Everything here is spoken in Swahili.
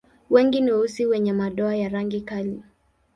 Wengi ni weusi wenye madoa ya rangi kali.